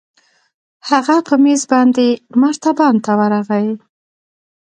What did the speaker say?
هغه په مېز باندې مرتبان ته ورغى.